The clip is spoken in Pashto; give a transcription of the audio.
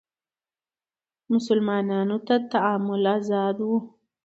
مسلمانانو ته تعامل ازادي وه